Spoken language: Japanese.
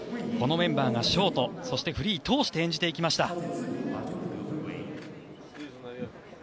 このメンバーがショートそしてフリーを通して演技をしていきました。